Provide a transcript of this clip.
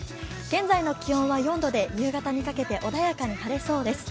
現在の気温は４度で夕方にかけて穏やかに晴れそうです。